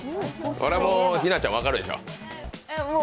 これはもう日奈ちゃん、分かるでしょう？